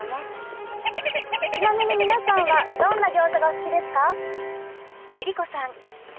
ちなみに皆さんはどんなギョーザがお好きですか？